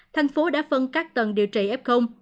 thành phố đã phân cắt tầng điều trị ép không